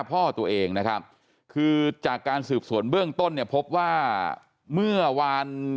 พ่อตัวเองนะครับคือจากการสืบสวนเบื้องต้นเนี่ยพบว่าเมื่อวาน